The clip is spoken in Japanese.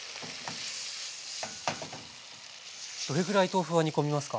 どれぐらい豆腐は煮込みますか？